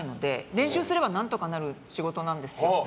練習すれば何とかなる仕事なんですよ。